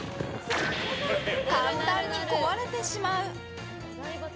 簡単に壊れてしまう！